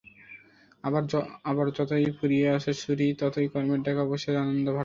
আবার যতই ফুরিয়ে আসে ছুটি, ততই কর্মের ডাকে অবসরের আনন্দে ভাটা পড়ে।